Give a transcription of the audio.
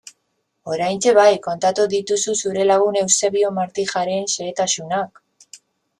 Oraintxe bai, kontatu dituzu zure lagun Eusebio Martijaren xehetasunak...